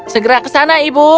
segera ke sana ibu